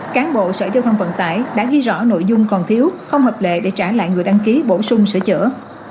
cán bộ sở giao thông vận tải đã ghi rõ nội dung còn thiếu không hợp lệ để trả lại người đăng ký bổ sung sửa chữa